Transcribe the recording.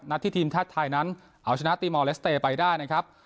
ที่ทีมชาติไทยนั้นเอาชนะตีมอลเลสเตย์ไปได้นะครับ